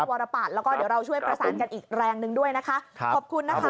วรปัตย์แล้วก็เดี๋ยวเราช่วยประสานกันอีกแรงหนึ่งด้วยนะคะครับขอบคุณนะคะ